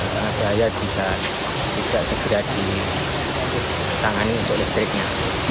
sangat bahaya jika tidak segera ditangani untuk listriknya